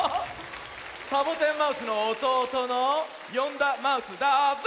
サボテンマウスのおとうとのヨンダマウスだぜ！